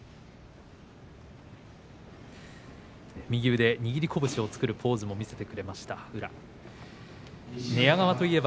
右腕で握り拳を作るポーズを見せてくれました宇良です。